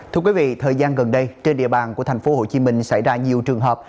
thưa quý vị thời gian gần đây trên địa bàn của thành phố hồ chí minh xảy ra nhiều trường hợp